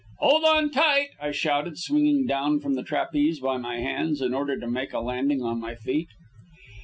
"Hold on tight!" I shouted, swinging down from the trapeze by my hands in order to make a landing on my feet.